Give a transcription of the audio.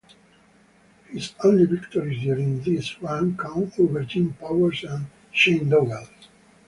His only victories during this run came over Jim Powers and Shane Douglas.